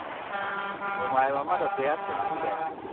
お前はまだ出会ってないんだよ